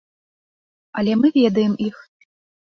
Але мы ведаем іх.